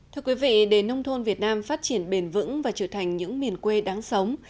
thưa quý vị để nông thôn việt nam phát triển bền vững và trở thành những miền quê đáng sống